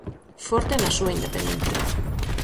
Forte na súa independencia.